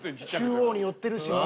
中央に寄ってるしな。